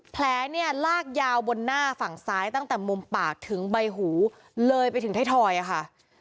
แผลเนี่ยลากยาวบนหน้าฝั่งซ้ายตั้งแต่มุมปากถึงใบหูเลยไปถึงไทยทอยค่ะ